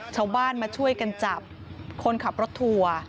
ชาวบ้านมาช่วยกันจับคนขับรถทัวร์